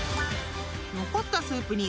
［残ったスープに］